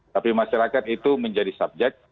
tapi masyarakat itu menjadi subjek